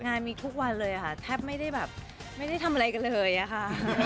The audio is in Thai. งานมีทุกวันเลยค่ะแทบไม่ได้แบบไม่ได้ทำอะไรกันเลยอะค่ะ